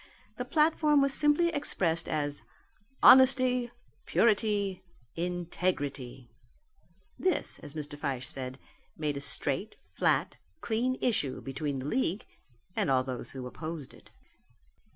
The platform was simply expressed as Honesty, Purity, Integrity. This, as Mr. Fyshe said, made a straight, flat, clean issue between the league and all who opposed it.